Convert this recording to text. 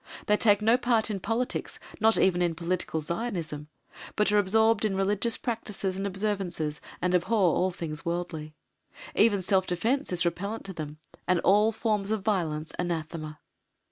They take no part in politics, not even in political Zionism, but are absorbed in religious practices and observances, and abhor all things worldly. Even self defence is repellent to them, and all forms of violence anathema.